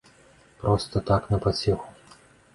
Проста так, на пацеху.